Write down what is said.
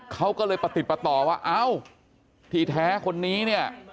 เขาก็เลยประติดประต่อว่าเอ้าที่แท้คนนี้เนี่ย